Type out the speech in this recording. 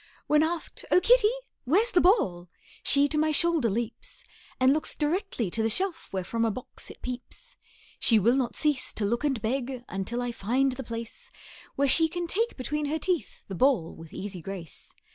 When asked, "O kitty, where's the ball?" She to my shoulder leaps, And looks directly to the shelf, Where from a box it peeps. She will not cease to look and beg, Until I find the place Where she can take between her teeth The ball with easy grace.